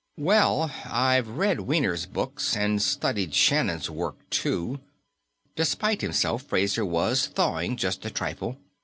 "Well, I've read Wiener's books, and studied Shannon's work, too." Despite himself, Fraser was thawing, just a trifle.